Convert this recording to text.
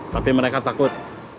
tapi mereka takut